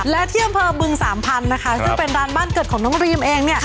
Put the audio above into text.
และที่อำเภอบึงสามพันธุ์นะคะซึ่งเป็นร้านบ้านเกิดของน้องรีมเอง